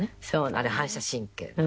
あれ反射神経なのね。